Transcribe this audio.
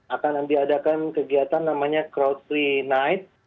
akan diadakan kegiatan namanya crowd free night